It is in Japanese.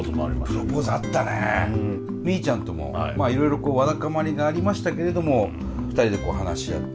ーちゃんともまあいろいろこうわだかまりがありましたけれども２人でこう話し合って。